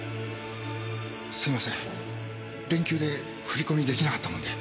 すみません連休で振り込みできなかったもんで。